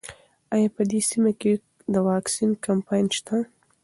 ایا په دې سیمه کې د واکسین کمپاین شته؟